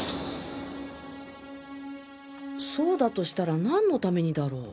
そうだとしたら何のためにだろう。